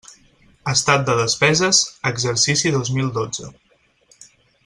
Estat de despeses: exercici dos mil dotze.